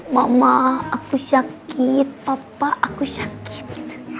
mama aku sakit papa aku sakit